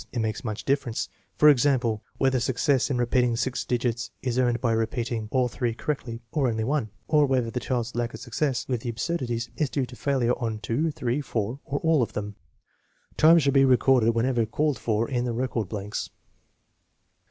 It makes much difference, for example, whether success in repeating six digits is earned by repeating all three correctly or only one; or whether the child's lack of success with the absurdities is due to failure on two, three, four, or all of them. Time should be re corded whenever called for in the record blanks.